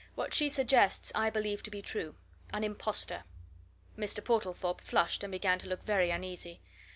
"What she suggests I believe to be true. An impostor!" Mr. Portlethorpe flushed and began to look very uneasy.